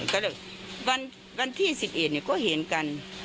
ก็เลยวันที่๑๑ก็เห็นกัน